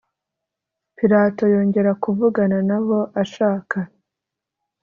Pilato yongera kuvugana na bo ashaka